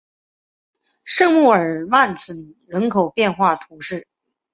圣日耳曼村人口变化图示